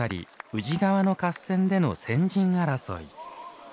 ・宇治川の合戦での先陣争い。